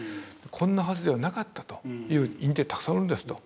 こんなはずではなかったという人間たくさんおるんですと。